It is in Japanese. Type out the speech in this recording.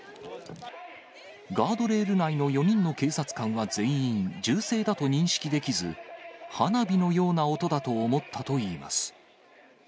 ガードレール内の４人の警察官は全員、銃声だと認識できず、花火のような音だと思ったといいます。